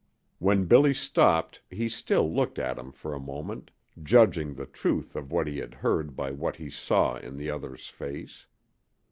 When Billy stopped he still looked at him for a moment, judging the truth of what he had heard by what he saw in the other's face.